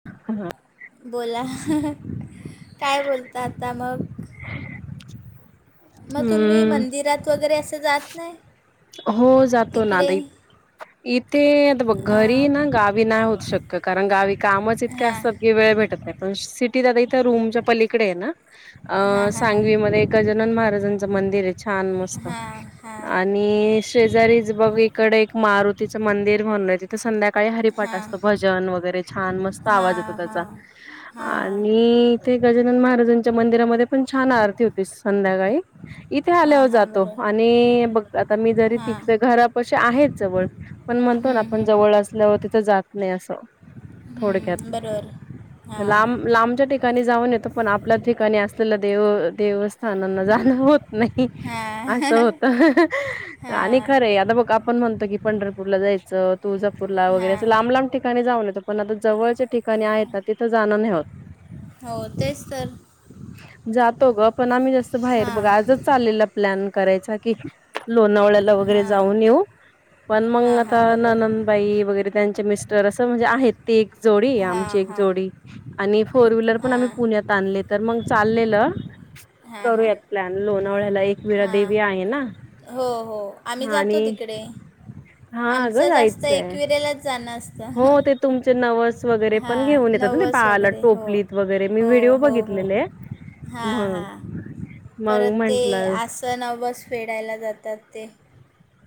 [unintelligible] बोला काय बोलता आता मग? मग तुम्ही हम्म मंदिरात वगैरे असं जात नाय? हो जातो ना आता इथ इथे आता बघ घरी अं, ना गाव वी नाही होत शक्य कारण गावी कामच इतके हां असतात वेळ भेटत नाही पण सिटीत आता इथं रूमच्या पलीकडे आहे ना, हां अ हां हां सांगवीमध्ये गजानन महाराजांच मंदिर आहे. हां हां. मी शेजारीच बघ इकड एक मारुतीचं मंदिर म्हणून आहे ति तर संध्याकाळी हरिपाट हां असतो भजन वगैरे छान मस्त आवाज येतो हां त्याचा. हां हां आणि इथ गजानन महाराजांच्या मंदिरामध्ये पण छान आरती होती संध्याकाळी. इथे हां आल्यावर हां जातो बरोबर आणि बघ आता मी जरी हां त घरापशी आहे जवळ पण म्हणतो ना हम्म, आपण हम्म, जवळ असल्यावर तिथं जात नाही असं. थोडक्यात. हम्म बरोबर हा. लांब लांबच्या ठिकाणी जाऊन येतो पण आपल्या ठिकाणी असलेलं देव देव अस णना जाणं होत नाही हां असं होत आणि हां खर ए आता बघ आपण म्हणतो की पंढरपूरला जायचं तुळजापुरला वगैरे हां असं लांब लांब ठि काणी जाऊन येत पण आता जवळच्या ठिकाणी आहेत ना तिथं जाण नाही होत. हो तेच तर जातो ग पण आम्ही जस्ं बाहेर हां बघा आजच चाललेला प्लॅन करायचा की लोणावळ्याला वगैरे हां जाऊन येऊ पण मग हां हां आता बरोबर नन ताई वगैरे त्यांचे मिस्टर असं म्हणजे आहेत ती जोडी हां आमची एक हां जोडी आणि फोर व्हीलर पण आम्ही हां पुण्यात आणले तर मग चाललेलं हां हां करूयात प्लॅन लोणावळ्याला एकविरा हां देवी आहे ना. हो हो. आम्ही हा जातो आणि तिकडे हा अगं आमचं जास्त जायचंय एकविरेलाच जाणं हो असतं. ते तुमचे नवस वगैरे पण हां घेऊ येतात ना नवस बाला वगैरे हो टोपलीत वगैरे मी हो व्हिडिओ हो हो बघितलेले. हां मग हां मग म्हंटलं च नवस फेडायला जातात ते.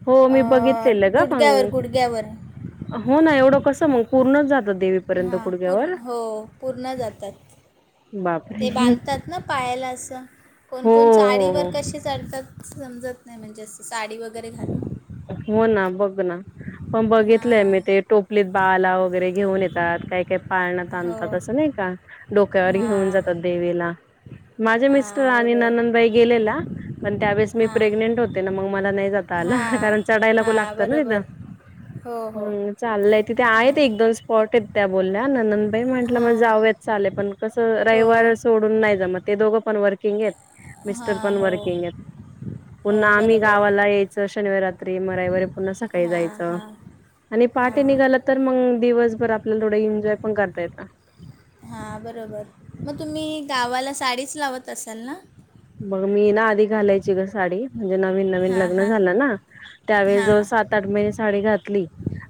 हो मी अ बघितलेलं ग गुडग्यावर मग गुडग्यावर. हो ना एवढं कसं मग पूर्णच जातात ते. हां पूर हो पूर्ण जातात. बापरे ते बांधतात ना पायाला असं. हो कोणकोण हो साडीवर हो कसे चढतात समजत नाही म्हणजे अस साडी वगैरे घाल हो ना बघ ना पण बघितलंय हां मी ते टोपलीत बाला वगैरे घेऊन येतात काही काही पाळणा हो तांतात असं नाही का डोक्यावर घेऊन हां जातात देवीला. माझे मिस्टर हां आणि बरोबर ननदबाई गेलेला. पण त्या वेेळेस मी हां प्रेग्नेंट होते ना मग मला नाही जात आला. हां कारण चढायला त हां लागतात ना तिथं बरोबर हो हो ह चाललंय तिथे आहे हां एकदोनस स्पॉटेत त्या बोलल्या न ननभई म्हंटलं मग हां जावयात चालेल पण कसं हो रविवार सोडून नाही जमत ते दोघं पण वर्किंगेट. मिस्टर हां पण हो वर्किंग आहे हो पुन्हा आम्ही बरोबर गावाला यायचं शनिवारात मग रविवारी पुन्हा सकाळी हां जायचं हां आणि हां पहाटे निघाल तर मग दिवसभर आपल्याला थोड एन्जॉय पण करता येत. हां बरोबर मग तुम्ही गावाला साडीच लावत असाल ना? मग मी ना आधी घालायची ग साडी म्हणजे नवीन नवीन हां लग्न हां झालं ना. त्यावेळेस हां जवळ सात आठ महिने साडी घातली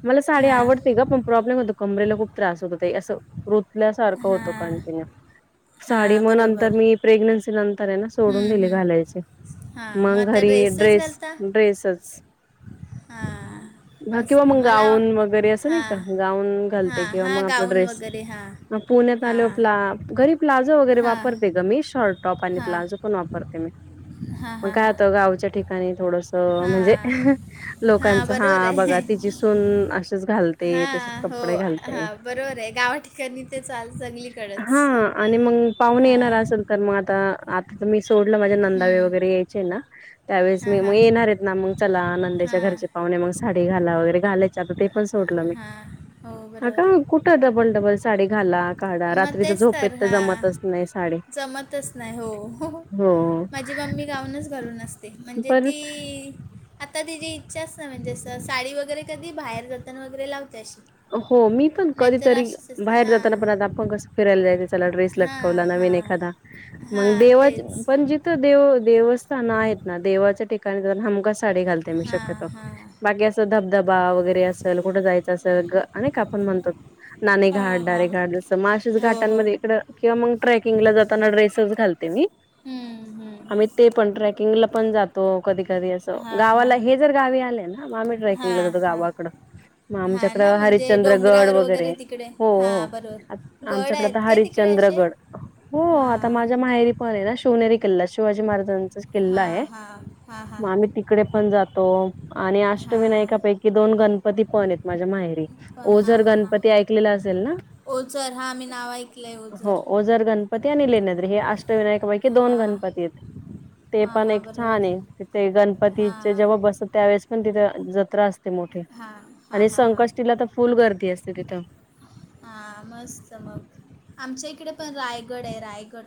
मला साडी हां आवडते ग पण प्रॉब्लेम होतो कमरेला खू त्रास होतो ते असं रुतल्यासारखं होतो हां कंटिन्यू साडी हां मग बरोबर नंतर प्रेग्नेन्सी नंतर ना सोडून हं, दिले हं. घालायचे हां मग आता घरी ड्रेस ड्रेसच. हा. ह किंवा मग गाऊन वगैरे असं नाही हां का गाऊन घालते हां किंवा हां मग आपला गाऊन ड्रेस वगैरे हां पुण्यात हां आल्यावर प्ला घरी प्लाझो वगैरे हां वापरते ग मी शार्ट टॉप आणि हां प्लाझो पण वापरते मी हां पण हां काय हां आता गावच्या ठिकाणी थोडसं म्हणजे हां हां लोकांचं बरोबर हा आहे बघा तिची सून असेच घाल ते तसेच हां हो कपडे घालते हां बरोबर आहे गावा ठिकाणी ते चाल सगळीकडंच हां आणि मंग पाहुणे येणार हां असल तर मग आता आता तर मी सोडलं माझे नंदावे हं, वगैरे यायचे ना त्यावेळेस हां मी मग हां येणारेत ना मग चला नंदेच्या हां घरचे पाहुणे मग साडी घाला वगैरे घालाय चे आता ते पण सोडलं मी. हां हो ब ह का कुठं डबल डबल साडी घाला, काढा मग रात्रीच तेच झोपेत तर हां जमतच नाही साडी. जमतच नाय हो हो माझी मम्मी गाऊनच घालून असते म्हणजे परत ति आता तिची इच्छाच नाही म्हणजे अशी साडी वगैरे कधी बाहेर जाताना वगैरे लावते अशी. हो मी पण नाहीतर कधीतरी अशीच असते बाहेर जाताना हां पण आता आपण कसं फिरायला जायचं ड्रेस हां लटकवला नवीन हां एखादा पण हां तेच देवाच्या पण जि थ देव देवस्थान आहेत ना देवाच्या ठिकाणी हमखास साडी घालते मी हां शक्यतो हां बाकी असं धबधबा वगैरे असल कुठ जायचं अस अ ग नाय का आपण म्हणतो नाणे घाट, हां डारे हां घाट जस माळशेज हो हो घाटांमध्ये तिकड किंवा मग ट्रेकिंगला जाताना ड्रेसच घालते मी हम्म, हम्म. आम्ही ते पण ट्रेकिंगला पण जातो कधी कधी असं हां हां गावाला हे जर गावी आले ना हा मग आम्ही ट्रेकिंगला हां जातो हां गावाकडे हां आमच्या ना म्हणजे हरिचंद्रगड डोंगरावर वगैरे तिकडे हो हां हो बरोबर गड आमच्याकडे तर आहेत काय तिकडे असे हरिश्चंद्रगड हो आता हां माझ्या माहेरी पणय ना शिवनेरी किल्ला, शिवाजी महाराजांचा हां हा हा हा. इकडे पण जातो आणि हां अष्टविनायकापैकी दोन गणपती पण आहेत माझ्या माहेरी. प- हां ओझर हां हां गणपती ऐकलेला असेल ना, ओझर हां मी नाव ऐकलं आहे हो ओझर गण पती आणि लेनाद्री हे अष्टविनायकापैकी दोन हां गणपतीयत. ते हां पण हां एक छानय बरोबर तिथे गणपतीचे हां जेव्हा बसत त्यावेळेस पण तिथे जत्रा असते मोठी. हा हा आणि हा. संकष्टीला तर फुल गर्दी असते तिथं. हा मस्त मग आमच्या इकडे पण रायगड आहे रायगड.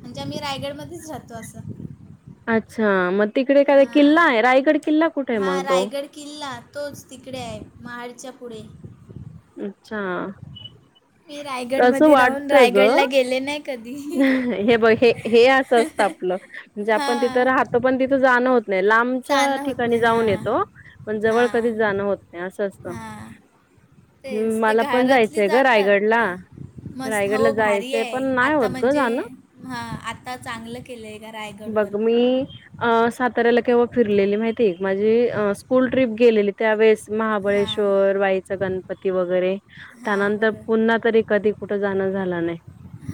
म्हणजे आम्ही रायगड मध्येच राहतो असं. अच्छा मग तिकडे काय हां किल्ला आहे रायगड किल्ला कुठेय मग हां तो? रायगड किल्ला तोच तिकडे आहे महाडच्या पुढे. अच्छा मी तस रायगडमध्ये राहून वाटतं ग? रायगडला गेले नाय कधी. हे बघ हे हे असं असतं आपलं म्हणजे आपण तिथं हां राहतो पण तिथं जाणं होत नाही लांबच्या चालणं होत ठिकाणी नाही जाऊन हां येतो पण जवळ कधीच हां जाणं होत नाही असं असतं. हां हम्म तेच ते मला पण घरातली जायचंय ग जातात रायगड ला. हां. रायगडला जायचंय पण नाही होत ग. जे हं आता चांगलं केलंय ग रायगड वर. बघ मी अं साताऱ्याला केव्हा फिरलेली माहितीय माझी स्कूल ट्रीप गेलेली त्यावेळेस. हां महाबळेश्वर, वाईचा गणपती वगैरे हां त्यानंतर बरोबर पुन्हा तरी कधी कुठ जाणं झालं नाय.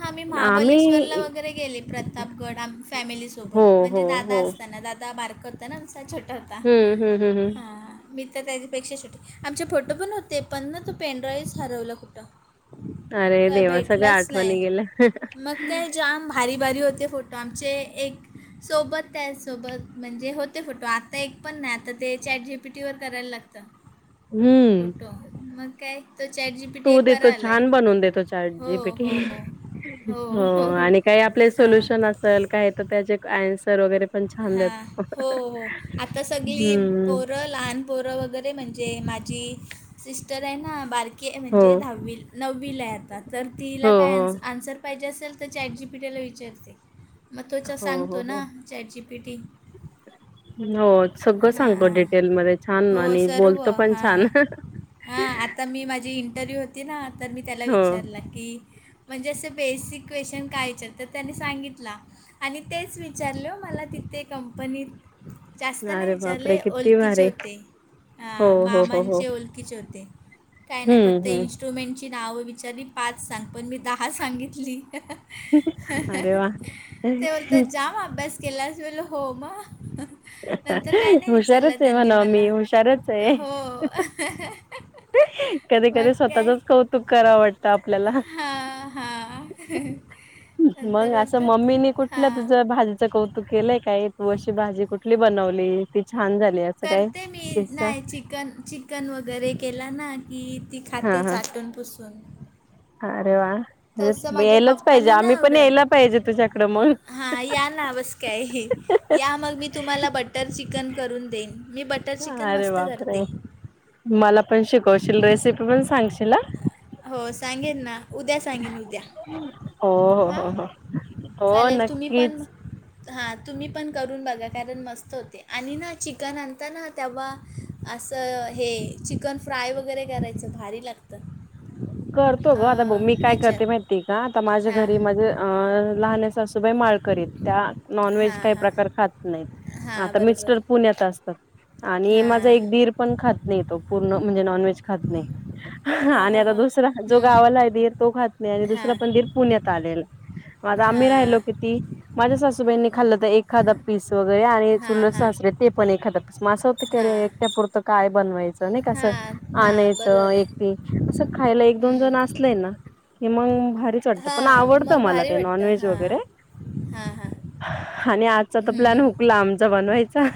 हा मी महाबलेश्वर ला वगैरे प्रतापगड आम फॅमिली हो सोबत हो म्हणजे दादा हो आस त्यांना दादा बारकं होत ना आमचा छोटा होता, हम्म हम्म हम्म हम्म हां. मी तर त्याच्यापेक्षा छोटी, आमचे फोटो पण होते, पण तो ना पेन ड्राईव्हच हरवलं कुठं. अरे काय देवा सगळ्या भेटलाच आठवणी नाही गेल्या. मग काय जाम भारी भारी फोटो होते आमचे, एक सोबत त्या सोबत, म्हणजे होते फोटो, आता एक पण नाही, आता ते चॅट जीपीटी वर करायला लागतय. हम्म फोटो, मग काय, तो चॅट जी पी टी तो एक देतो, बारा आला छान आहे बनवून देतो चॅट हो जीपीटी. हो हो हो, आणि काही आपले हां सोल्युशन असल, काय तर त्याचे एन्सर वगैरे पण छान हा देतो हो हो, आता सगळी हम्म पोरं लहान पोरं वगैरे म्हणजे, माझी सिस्टर आहे ना बारकी, हो म्हणजे दहावी नववीला आहे आता, तर हो, तिला काय आन्स हो. आन्सर पाहिजे असेल तर चॅट जीपीटीला विचारते. मग त्वचा हो, हो, सांगतो ना, हो. Chat G P T. हो सगळं सांगतो हां डिटेल मध्ये छान, हो आणि सर्व बोलतो पण हां छान. हां, आता मी माझी इंटरव्ह्यू होती ना तर मी त्याला हो. विचारलं, की म्हणजे असं बेसिक क्वेशचन काय विचारतात, त्याने सांगितला, आणि तेच विचारलं ओ मला तिथे कंपनीत. जास्त नाही अरे बापरे! विचारले किती ओलखिचे भारी. होते, हो, हो, हो, हो. मामांचे ओलकीचे होते. काय नाय, हं, फक्त हं. इन्स्ट्रुमेंटची नावं विचारली पाच सांग, पण मी दहा सांगितली. अरे वाह! ते बोलतात जाम अभ्यास केलास, मी बोललो हो म नंतर काय नाही हुशारच विचारलं आहे त्यांनी म्हणावं मला,, मी हुशारच हो. कधी कधी मग काय स्वतःचच कौतुक करावं वाटतं आपल्याला. हां हां. मग नंतर असं बोलतात मम्मीने कुठलं हां तुझं भाज कौतुक केलंय काय, तू अशी भाजी कुठली बनवली ती छान झाली अस करते मी, नाही चिकन चिकन वगैरे केला ना कि ती खाते हां, हां. चाटून पुसून. अरे वा! खरंच, तसं म्हणजे माझ्या यायलाच पाहिजे,. पप्पांना आम्ही नाही पण यायला आवडत पाहिजे तुझ्याकडं मग. हां या ना बस काय या मग मी तुम्हाला बटर‌ चिकन करून देईन, मी बटर चिकन अरे मस्त बापरे! करते मला पण शिकवशील रेसिपी पण सांगशील हं. हो सांगेन ना. उद्या सांगेन उद्या, हो हो हां, हो हो हो चालेल तुम्ही नक्कीच पण हा तुम्ही पण करून बघा कारण मस्त होते, आणि ना चिकन आणता‌ ना, तेव्हा असं हे, चिकन फ्राय वगैरे करायचं, भारी लागतं. करतो गं, आता बघ, अं, मी काय करते ह्याच्यात माहिती ये का, माझ्या घरी हां माझ्या अ लहान्या सासुबाई माळकरी आहेत, त्या नॉन व्हेज हां काही हां प्रकार खात नाहीत, हां आता बरोबर मिस्टर पुण्यात असतात. आणि माझा हां एक दिर पण खात नाही तो पूर्ण, म्हणजे नॉनव्हेज खात नाही. आणि आता दुसरा, जो हं, गावाला आहे दिर तो खात नाही, आणि दुसरा हां पण दिर पुण्यात आलेला म आता आम्ही राहिलो हां किती. माझ्या सासूबाईंनी खाल्लं तर एखादा पीस वगैरे, आणि हां चुलत हां सासरे ते पण एखादा पीस, मग असं होतं की, हां अरे एकट्या पुरतं काय बनवायचं. नाही का असं, हां हां आणायचं बरोबर आहे एकटी असं खायला एक दोन जण हं, असलय ना हे मग भारीच वाटतं, पण हां आवडतं मग मला भारी ते वाटतं नॉनव्हेज हां वगैरे. हां हां आणि आजचा तर प्लॅन हं. हुकला आमचा बनवायचा.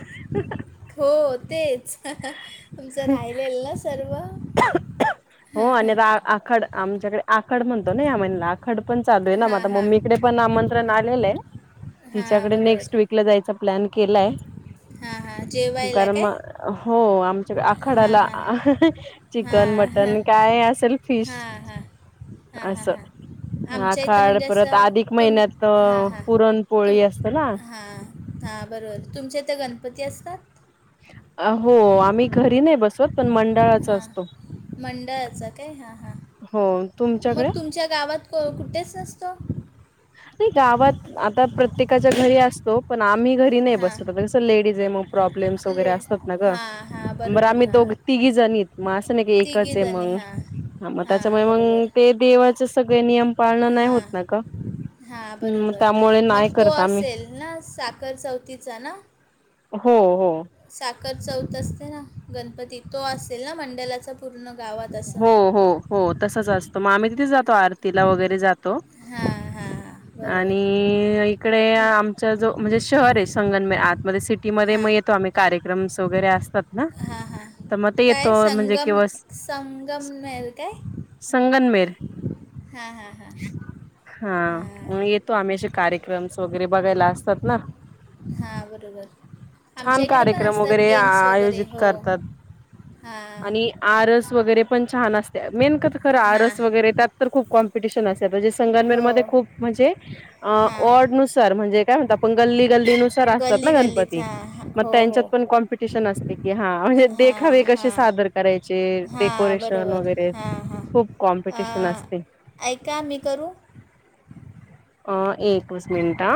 हो तेच तुमचं राहिलेल ना सर्व. हो आणि आता आखाड आमच्याकडे आखड म्हणतो ना या महिन्याला आखड. पण चालू हां आहे हां मम्मीकडे पण आमंत्रण आलेल हां तिच्याकडे बरोबर नेक्स् वीक. जायचा प्लॅन केलाय. हां हां जेवायला कारण म काय हो आमच्या हां आखाडाला. हां चिकन हां हां मटन काय असेल फिश हां हां हां हां असं. हां आमच्या इथं आखाड म्हणजे परत असं आधिक तुम महिन्यात पुरणपोळी असत ना. हा हा बरोबर तुमच्या इथ गणपती असतात? हो आम्ही घरी नाही बसवत पण मंडळाचा हां असतो. मंडळाचा काय हा हा. हो तुमच्याकडे. गावात कुठेच नसतो. गावात आता प्रत्येकाच्या घरी असतो पण आम्ही घरी. घरी नाही हां बसवत आता कसं लेडीज आहे मग प्रब्लेमस वगैरे ले असतात नाग हां हां बरं बरोबर आम्ही दो हां तिघी जणी. मग असं नाही की तिघी एकच आहे जणी मग हां त्याच्या हां मूळ बरोबर मग ते देव सगळे नियम पाळण नाही होत हां नाग. हां बरोबर मग तो करत आम्ही असेल ना साखर चौथीचा ना. हो हो. साखर चौथ असते ना गणपतीत तो असेल ना मंडलाचा. पूर्ण गावात. असं हो हो हो तसच असतं मग आम्ही तिथे जातो आरतीला वगैरे जातो. हां हां हां आणि बरोबर एक इकडे हं, आमचा जो म्हणजे शहर आहे संगनमे आत मध्ये सिटीमध्ये हां मग येतो आम्ही. कार्यक्रमस वगैरे असतात ना हां हां तर मग ते येतो काय म्हणजे कि. संगम संगमनेर काय संगनमेर हां हां हां. हा हां मग येतो आम्ही असे कार्यक्रमस वगैरे बघायला असतात ना. हा बरोबर आमच्या छान इकडे पण कार्यक्रम असतात वगैरे गेम्स वगैरे आयोजित हो. करतात हा. आणि आरस वगैरे पण छान असते मेन क खरं हां आरस वगैरे त्यात तर खूप कॉम्पिटिशन असते आता जे हो संगमेरमध्ये खूप म्हणजे. अ हां ऑडनुसार म्हणजे काय म्हणतो आपण गल्ली गल्ली नुसार. तर असतात गल्ली ना गल्लीत गणपती हां हां मग हो हो त्यांच्यात पण कॉम्पिटिशन असतेकी हा देखा हां देख असे हां सादर. करायचे हां डेकोरेशन बरोबर वगैरे हां हां खूप कॉम्पिटिशन अं, असते. ऐका मी करू. अ एकच मिनट हा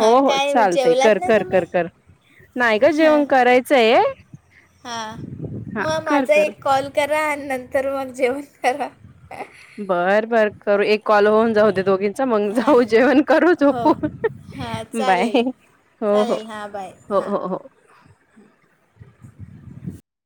हो हो काय चालतय कर जेवलात नाही कर तुम्ही कर कर. नाही ग जेवण करायचंय. हा हा मग कर माझा कर एक कॉल करा आणि नंतर मग जेवण करा. बर बर करू एक कॉल होऊन जाऊ दे दोघी. चल मग हां जाऊ जेवण करू हो झोपू हां बाय. चालेल हो हो चालेल हां बाय हो हां हो हो. [inaudible]